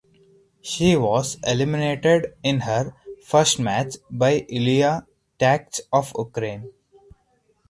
She was eliminated in her first match by Yuliya Tkach of Ukraine.